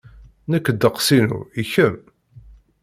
Nekk ddeqs-inu, i kemm?